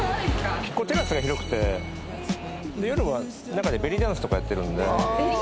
テラスが広くて夜は中でベリーダンスとかやってるんで。